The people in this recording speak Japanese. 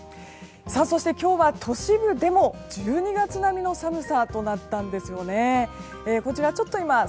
そして今日は都市部でも１２月並みの寒さとなったんですね。